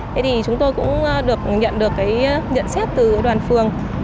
thế thì chúng tôi cũng được nhận được cái nhận xét từ đoàn phường